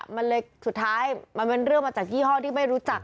มันเลยสุดท้ายมันเป็นเรื่องมาจากยี่ห้อที่ไม่รู้จัก